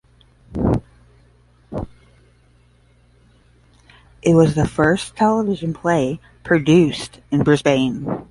It was the first television play produced in Brisbane.